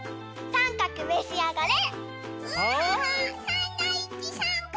さんかくめしあがれ！